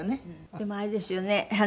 でもあれですよね